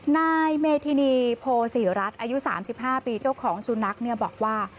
นายเมธินีโพศรีรัฐอายุ๓๕ปีเจ้าของสุนัขบอกว่า